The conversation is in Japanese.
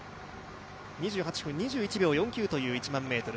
２８分２１秒４９という１００００ｍ。